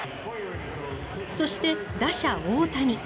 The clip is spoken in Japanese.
そして、打者・大谷。